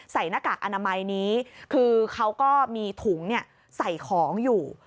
หน้ากากอนามัยนี้คือเขาก็มีถุงใส่ของอยู่